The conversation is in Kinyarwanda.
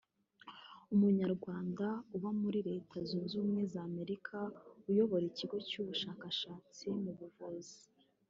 umunyarwanda uba muri Leta Zunze Ubumwe za Amerika uyobora ikigo cy’ubushakashatsi mu buvuzi